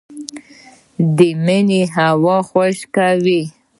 د مني هوا خشکه وي